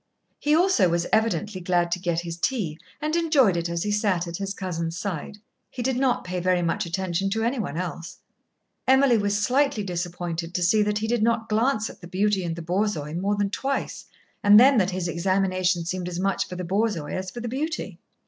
He also was evidently glad to get his tea, and enjoyed it as he sat at his cousin's side. He did not pay very much attention to any one else. Emily was slightly disappointed to see that he did not glance at the beauty and the Borzoi more than twice, and then that his examination seemed as much for the Borzoi as for the beauty.